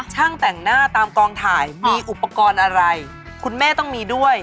ช่างแต่งหน้าตามกองถ่ายมีอุปกรณ์อะไรคุณแม่ต้องมีด้วย